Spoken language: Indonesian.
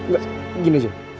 gak gini aja